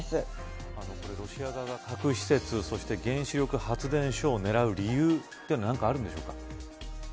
これロシア側が核施設原子力発電所を狙う理由というのは何かあるんでしょうか。